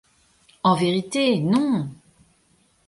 En vérité, non !